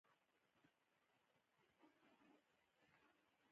شېبه وروسته د هلمند د سيند پر غاړه سلګونه سپينې خيمې ودرېدې.